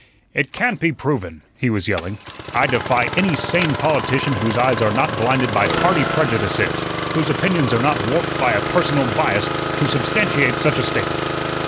"It can't be proven," he was yelling. "I defy any sane politician whose eyes are not blinded by party prejudices, whose opinions are not warped by a personal bias, to substantiate such a statement.